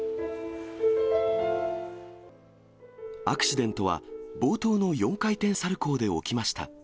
アクシデントは、冒頭の４回転サルコーで起きました。